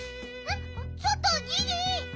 ちょっとギギ！